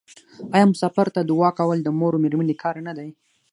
آیا مسافر ته دعا کول د مور او میرمنې کار نه دی؟